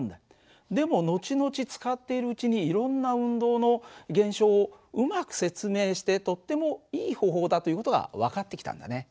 でも後々使っているうちにいろんな運動の現象をうまく説明してとってもいい方法だという事が分かってきたんだね。